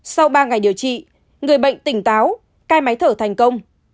sau ba ngày điều trị người bệnh tỉnh táo cai máy thở thành công